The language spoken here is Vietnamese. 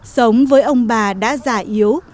sống với ông bà đã già yếu